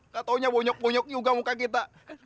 gak taunya bonyok bonyok juga muka kita